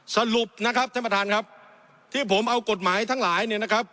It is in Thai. สรุปนะครับท่านประธานครับที่ผมเอากฎหมายทั้งหลายเนี่ยนะครับ